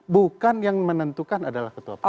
bukan yang menentukan adalah ketua partai